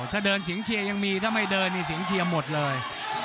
ถ้าไม่เดินเนี่ยเสียงเชียร์หมดเลย